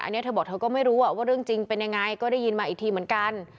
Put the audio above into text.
อันนี้เธอบอกเธอก็ไม่รู้ว่าเรื่องจริงเป็นยังไงก็ได้ยินมาอีกทีเหมือนกัน